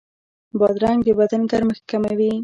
بادرنګ د بدن ګرمښت کموي.